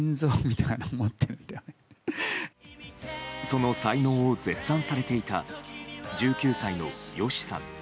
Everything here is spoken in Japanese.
その才能を絶賛されていた１９歳のＹＯＳＨＩさん。